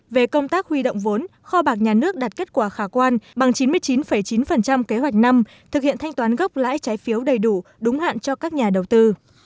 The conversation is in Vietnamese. về công tác huy động vốn kho bạc nhà nước đạt kết quả khả quan bằng chín mươi chín chín kế hoạch năm thực hiện thanh toán gốc lãi trái phiếu đầy đủ đúng hạn cho các nhà đầu tư